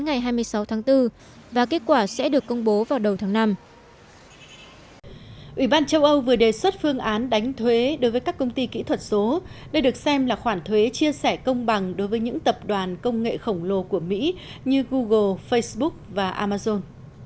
ủy ban châu âu vừa đề xuất phương án đánh thuế đối với các công ty kỹ thuật số đây được xem là khoản thuế chia sẻ công bằng đối với những tập đoàn công nghệ khổng lồ của mỹ như google facebook và amazon